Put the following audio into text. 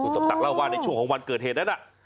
สมศักดิ์เล่าว่าในช่วงของวันเกิดเหตุนั้นน่ะ